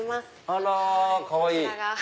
あらかわいい！